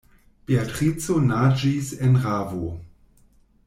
Beatrico naĝis en ravo.